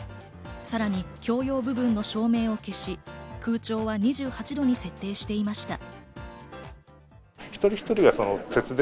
さらに共用部分の照明を消し、空調は２８度に設定していました。